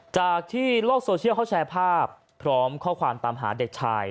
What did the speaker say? จากที่โลกโซเชียลเขาแชร์ภาพพร้อมข้อความตามหาเด็กชาย